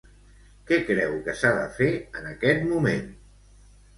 Què creu que s'ha de fer en aquest moment?